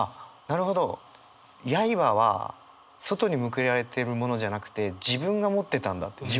なるほど刃は外に向けられてるものじゃなくて自分が持ってたんだという。